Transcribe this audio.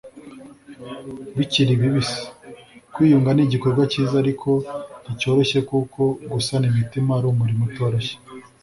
bikiri bibisi. kwiyunga ni igikorwa cyiza ariko nticyoroshye kuko gusana imitima ari umurimo utoroshye